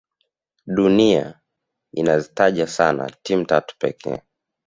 dunia inazitaja sana timu tatu pekee